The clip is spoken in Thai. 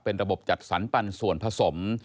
เป็นระบบจัดสรรปันส่วนผสม